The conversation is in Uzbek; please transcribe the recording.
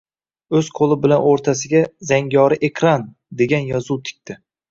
Oʻz qoʻli bilan oʻrtasiga “Zangori ekran ” degan yozuv tikdi